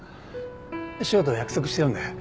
翔と約束してるんだよ